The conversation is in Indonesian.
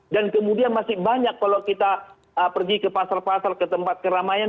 dan kemudian masih banyak kalau kita pergi ke pasar pasar ke tempat keramaian